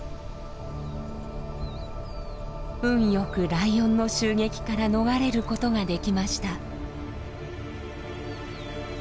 運良くライオンの襲撃から逃れることができました。